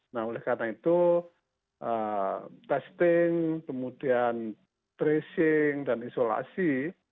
nah oleh karena itu testing kemudian tracing dan isolasi